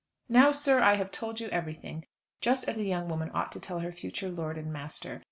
Now, sir, I have told you everything, just as a young woman ought to tell her future lord and master.